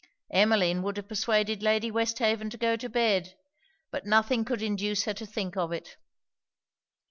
Emmeline would have persuaded Lady Westhaven to go to bed; but nothing could induce her to think of it.